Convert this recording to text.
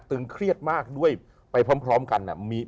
ตึงเครียดมากด้วยไปพร้อมกัน